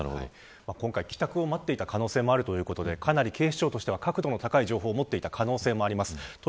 今回、帰宅を待っていた可能性もあるということで警視庁としては確度の高い情報を持っていた可能性もあります。